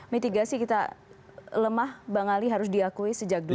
mitigasi kita lemah bang ali harus diakui sejak dulu